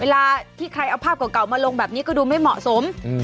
เวลาที่ใครเอาภาพเก่ามาลงแบบนี้ก็ดูไม่เหมาะสม